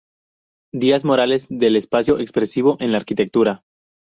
Díaz Morales, del espacio expresivo en la arquitectura.